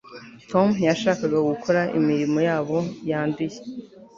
tom ntiyashakaga gukora imirimo yabo yanduye